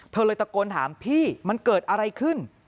เธอเลยตะโกนถามพี่มันเกิดอะไรขึ้น